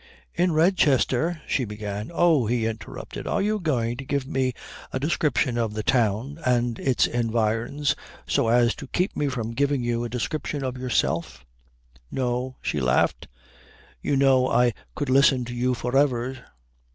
"In Redchester " she began. "Oh," he interrupted, "are you going to give me a description of the town and its environs so as to keep me from giving you a description of yourself?" "No," she laughed. "You know I could listen to you for ever."